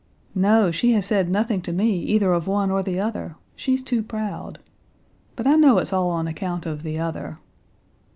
"No, she has said nothing to me either of one or the other; she's too proud. But I know it's all on account of the other."